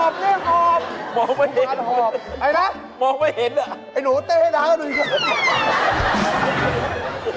ไอ้หนูเต้นให้ดาวดูนี่ค่ะ